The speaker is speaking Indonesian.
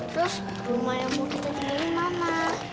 terus rumah yang mau kita beli mama